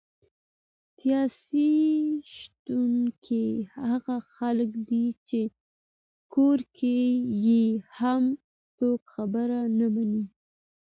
سیاسي شنونکي هغه خلک دي چې کور کې یې هم څوک خبره نه مني!